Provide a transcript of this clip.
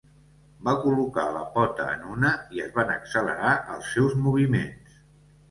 Va col·locar la pota en una, i es van accelerar els seus moviments.